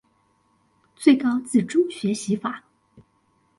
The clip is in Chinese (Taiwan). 最高自主學習法